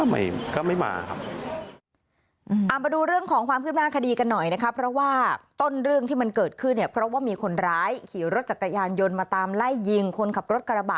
เหมือนเขาแบบเราสื่อสารกับเขาไม่ได้ครับ